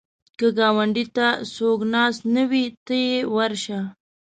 که ګاونډي ته څوک ناست نه وي، ته یې ورشه